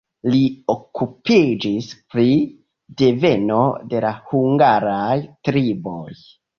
Li okupiĝis pri deveno de la hungaraj triboj.